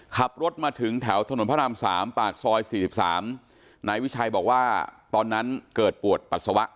ขับรถมาถึงแถวถนนพระราม๓ปากซอย๔๓นายวิชัยบอกว่าตอนนั้นเกิดปวดปัสสาวะ